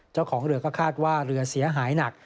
เจ้าของเรือก็คาดว่าเรือเสียหายหนัก